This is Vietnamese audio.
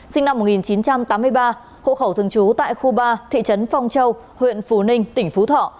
sinh năm một nghìn chín trăm tám mươi ba hộ khẩu thường trú tại khu ba thị trấn phong châu huyện phú ninh tỉnh phú thọ